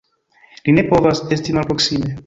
Li ne povas esti malproksime!